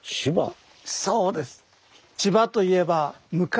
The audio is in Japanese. そうです。